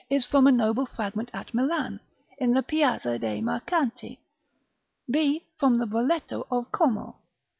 is from a noble fragment at Milan, in the Piazza dei Mercanti; b, from the Broletto of Como.